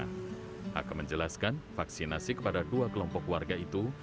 hak menjelaskan vaksinasi kepada dua kelompok warga itu